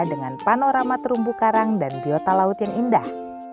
dengan panorama terumbu karang dan biota laut yang indah